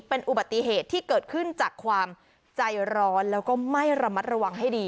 เป็นอุบัติเหตุที่เกิดขึ้นจากความใจร้อนแล้วก็ไม่ระมัดระวังให้ดี